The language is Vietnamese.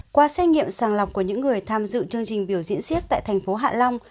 qua xét nghiệm sàng lọc của những người tham dự chương trình biểu diễn siếc tại thành phố hạ long